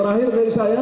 terakhir dari saya